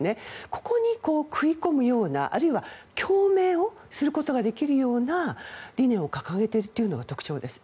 ここに食い込むようなあるいは共鳴をすることができるような理念を掲げているのが特徴です。